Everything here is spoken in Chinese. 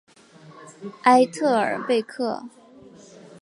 埃特尔贝克。